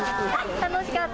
楽しかった？